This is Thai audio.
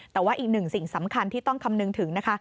แต่ว่าอีกหนึ่งสิ่งสำคัญที่ต้องคำนึงถึงนะคะ